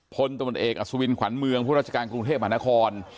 พลตำรวจเอกอสุวินขวัญเมืองผู้ราชการกรุงเทพมหานคร